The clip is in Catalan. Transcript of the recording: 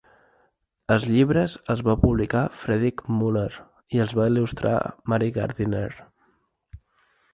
Els llibres els va publicar Frederick Muller i els va il·lustrar Mary Gardiner.